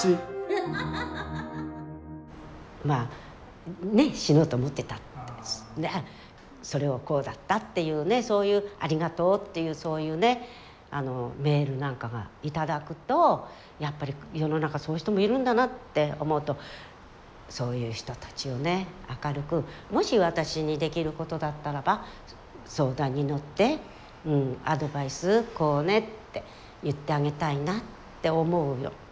まあね死のうと思ってたってそれをこうだったっていうそういうありがとうっていうそういうメールなんかを頂くとやっぱり世の中そういう人もいるんだなって思うとそういう人たちを明るくもし私にできることだったらば相談に乗ってアドバイスこうねって言ってあげたいなって思うよ。